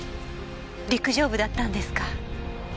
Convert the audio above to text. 陸上部だったんですか。